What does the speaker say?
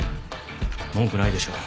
文句ないでしょ？